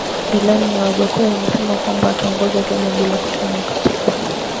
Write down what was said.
Ilani ya Wajackoya inasema kwamba ataongoza Kenya bila ya kutumia katiba